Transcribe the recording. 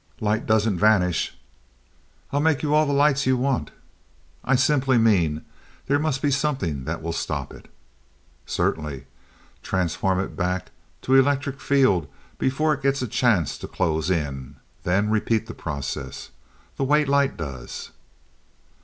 "Light doesn't vanish." "I'll make you all the lights you want." "I simply mean there must be something that will stop it." "Certainly. Transform it back to electric field before it gets a chance to close in, then repeat the process the way light does."